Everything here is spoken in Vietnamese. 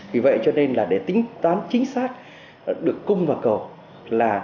vì vậy cho nên là để tính toán chính xác được cung vào cổ là